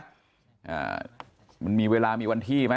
อ่ามันมีเวลามีวันที่ไหม